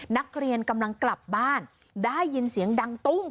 นักเรียนกำลังกลับบ้านได้ยินเสียงดังตุ้ง